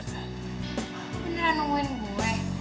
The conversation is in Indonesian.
lo beneran nungguin gue